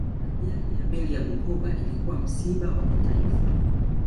ajali ya meli ya bukoba ilikuwa msiba wa kitaifa